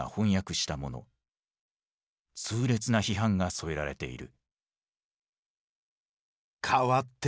痛烈な批判が添えられている。